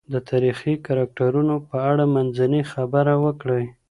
د تاریخي کرکټرونو په اړه منځنۍ خبره وکړئ.